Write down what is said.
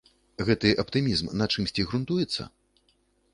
Гэты аптымізм на чымсьці грунтуецца?